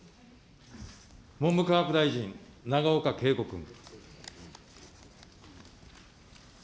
文部科学大臣、永岡桂子君。